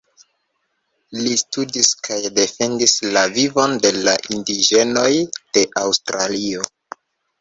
Li studis kaj defendis la vivon de la indiĝenoj de Aŭstralio.